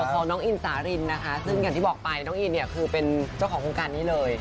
ของน้องอินสารินนะคะซึ่งอย่างที่บอกไปน้องอินเนี่ยคือเป็นเจ้าของโครงการนี้เลย